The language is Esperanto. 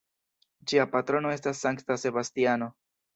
Ĝia patrono estas Sankta Sebastiano.